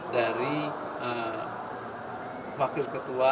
dari wakil ketua dpr